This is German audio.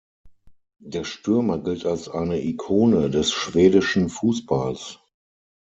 Der Stürmer gilt als eine Ikone des schwedischen Fußballs.